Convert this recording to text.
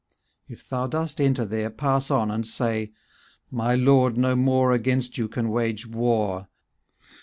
If thou dost enter there, pass on, and say, """ My lord no more against you can wage war.